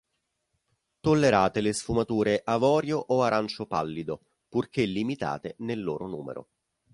Tollerate le sfumature avorio o arancio pallido, purché limitate nel loro numero.